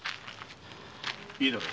いいだろう。